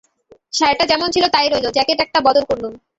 শাড়িটা যেমন ছিল তাই রইল, জ্যাকেট একটা বদল করলুম।